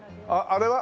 あれは？